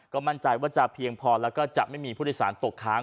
ก็มั่นใจว่าจะเพียงพอแล้วก็จะไม่มีผู้โดยสารตกค้าง